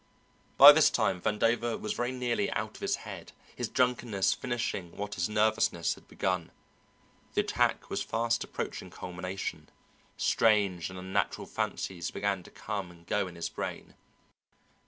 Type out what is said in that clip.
By this time Vandover was very nearly out of his head, his drunkenness finishing what his nervousness had begun. The attack was fast approaching culmination; strange and unnatural fancies began to come and go in his brain.